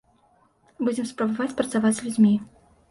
Будзем спрабаваць працаваць з людзьмі.